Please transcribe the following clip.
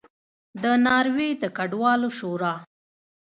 د ناروې د کډوالو شورا